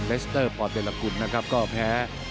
สเตอร์ปอเตรกุลนะครับก็แพ้